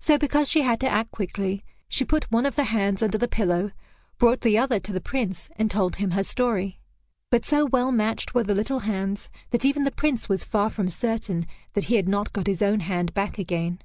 So because she had to act quickly, she put one of the hands under the pillow, brought the other to the Prince and told him her story. But so well matched were the little hands, that even the Prince was far from certain that he had not got his own hand back again.